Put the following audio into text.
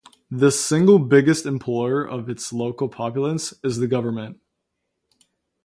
The single biggest employer of its local populace is the government.